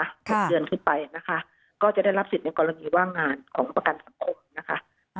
หกเดือนขึ้นไปนะคะก็จะได้รับสิทธิ์ในกรณีว่างงานของประกันสังคมนะคะ